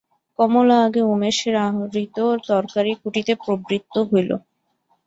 কমলা আগে উমেশের আহৃত তরকারি কুটিতে প্রবৃত্ত হইল।